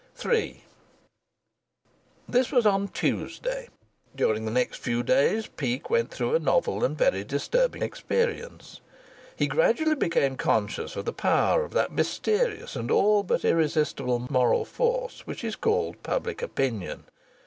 III This was on Tuesday. During the next few days Peake went through a novel and very disturbing experience. He gradually became conscious of the power of that mysterious and all but irresistible moral force which is called public opinion.